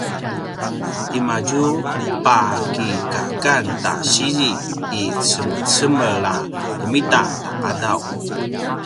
timadju pakikakan ta sizi i cemecemel a ljemita ta qadaw